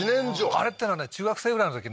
あれっていうのはね中学生ぐらいのときね